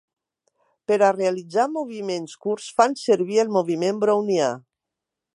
Per a realitzar moviments curts fan servir el moviment brownià.